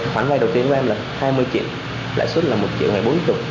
khoản vay đầu tiên của em là hai mươi triệu lãi suất là một triệu ngày bốn tuần